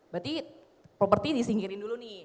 berarti properti disingkirin dulu nih